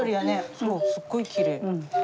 そうすごいきれい。